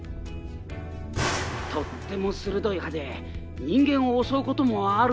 とっても鋭い歯で人間を襲うこともあるんだよ。